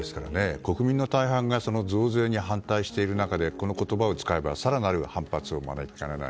国民の大半が増税に反対する中でこういう言葉を使えば更なる反発を招きかねない。